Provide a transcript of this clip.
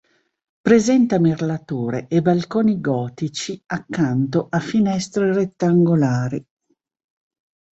Presenta merlature e balconi gotici accanto a finestre rettangolari.